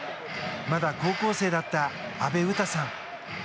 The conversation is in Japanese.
まだ高校生だった阿部詩さん。